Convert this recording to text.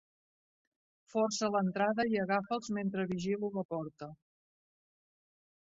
Força l'entrada i agafa'ls mentre vigilo la porta.